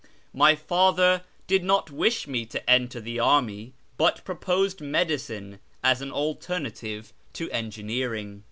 My father did not wish me to enter the army, but proposed medicine as an alternative to engineering.